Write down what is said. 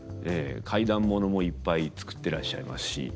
怪談物もいっぱい作ってらっしゃいますし。